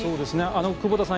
久保田さん